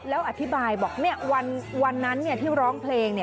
แล้วอธิบายบอกวันนั้นที่ร้องเพลง